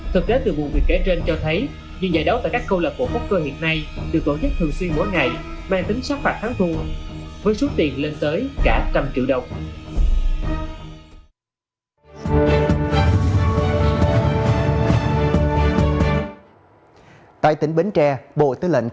thực tế từ vụ việc kể trên cho thấy